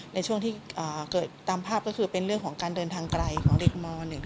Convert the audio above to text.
ในช่วงที่เกิดตามภาพก็คือเป็นเรื่องของการเดินทางไกลของเด็กม๑